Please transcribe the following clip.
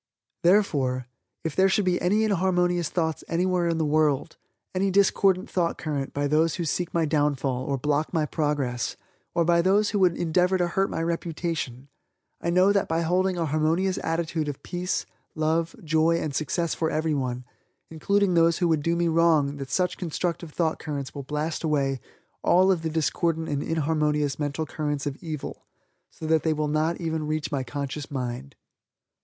Therefore, if there should be any inharmonious thoughts anywhere in the world any discordant thought current by those who seek my downfall, or block my progress, or by those who would endeavor to hurt my reputation I know that by holding a harmonious attitude of peace, love, joy and success for everyone, including those who would do me wrong that such constructive thought currents will blast away all of the discordant and inharmonious mental currents of evil so that they will not even reach my conscious mind.